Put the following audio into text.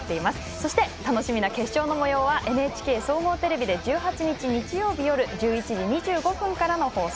そして、楽しみな決勝のもようはＮＨＫ総合テレビで１８日、日曜日夜１１時２５分からの放送。